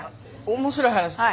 面白い話。